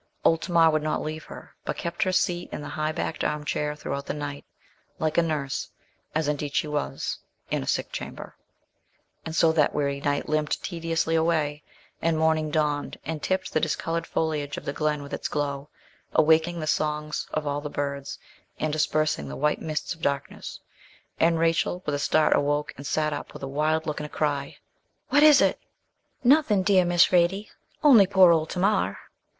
Old Tamar would not leave her, but kept her seat in the high backed arm chair throughout the night, like a nurse as indeed she was in a sick chamber. And so that weary night limped tediously away, and morning dawned, and tipped the discoloured foliage of the glen with its glow, awaking the songs of all the birds, and dispersing the white mists of darkness. And Rachel with a start awoke, and sat up with a wild look and a cry 'What is it?' 'Nothing, dear Miss Radie only poor old Tamar.'